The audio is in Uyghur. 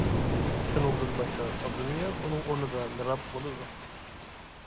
شۇنىڭدىن باشلاپ ئابدۇنىياز ئۇنىڭ ئورنىدا مىراب بولىدۇ.